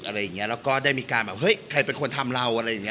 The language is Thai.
อะไรอย่างเงี้ยแล้วก็ได้มีการแบบเฮ้ยใครเป็นคนทำเราอะไรอย่างเง